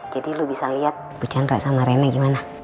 jadi lo bisa liat ibu chandra sama rena gimana